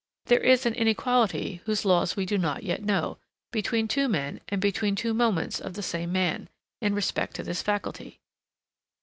There is an inequality, whose laws we do not yet know, between two men and between two moments of the same man, in respect to this faculty.